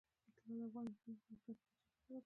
طلا د افغان نجونو د پرمختګ لپاره فرصتونه برابروي.